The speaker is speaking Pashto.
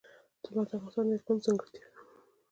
طلا د افغانستان د اقلیم ځانګړتیا ده.